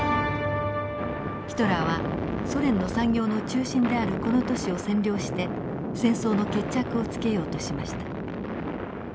ヒトラーはソ連の産業の中心であるこの都市を占領して戦争の決着をつけようとしました。